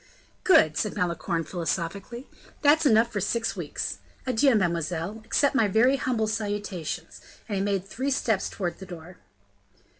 "Good!" said Malicorne, philosophically, "that's enough for six weeks. Adieu, mademoiselle, accept my very humble salutation." And he made three steps towards the door.